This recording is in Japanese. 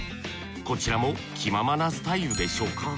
こちらも気ままなスタイルでしょうか。